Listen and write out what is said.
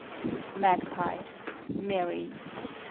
MAGPIE. MARY.